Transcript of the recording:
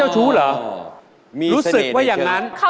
คุณอุ๊ยค่ะ